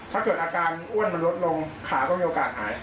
ถ้าเกิดอาการอ้วนมันลดลงขาก็มีโอกาสหาย